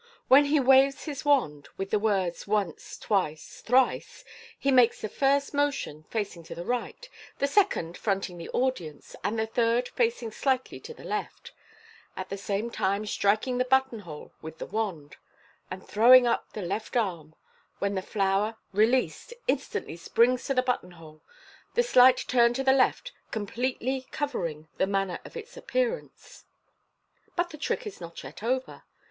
When he waves his wand, with the words, "Once, twice, thrice!" he makes the first motion facing to the right, the second fronting the audience, and the third facing slightly to the left, at the same time striking the button hole with the wand, and throwing up the left arm, when the flower, released, instantly springs to the button hole, the slight turn to the left com pletely cover ng the manner of its appearance. But the trick is not yet over.